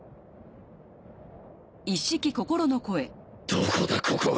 どこだここは